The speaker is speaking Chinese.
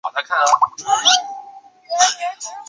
艾略特经常用自己的语言能力。